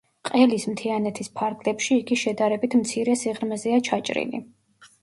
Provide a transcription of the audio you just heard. ყელის მთიანეთის ფარგლებში იგი შედარებით მცირე სიღრმეზეა ჩაჭრილი.